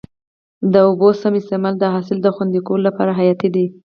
د اوبو سم استعمال د حاصل د خوندي کولو لپاره حیاتي دی.